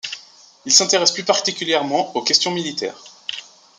Il s'intéresse plus particulièrement aux questions militaires.